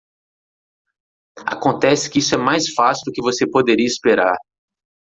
Acontece que isso é mais fácil do que você poderia esperar.